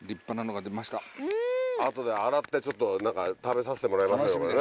後で洗ってちょっと食べさせてもらいましょうかね。